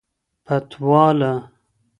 پتواله